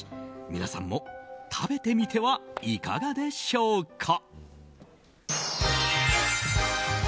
皆さんも食べてみてはいかがでしょうか？